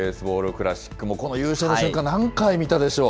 クラシック、この優勝の瞬間、何回見たでしょう。